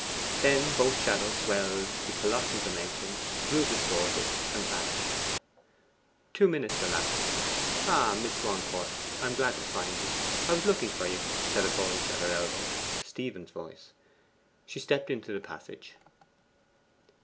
Then both shadows swelled to colossal dimensions grew distorted vanished. Two minutes elapsed. 'Ah, Miss Swancourt! I am so glad to find you. I was looking for you,' said a voice at her elbow Stephen's voice. She stepped into the passage.